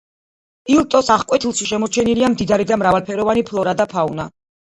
ილტოს აღკვეთილში შემორჩენილია მდიდარი და მრავალფეროვანი ფლორა და ფაუნა.